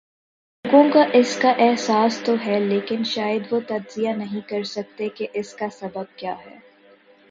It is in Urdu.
لوگوں کواس کا احساس تو ہے لیکن شاید وہ تجزیہ نہیں کر سکتے کہ اس کا سبب کیا ہے۔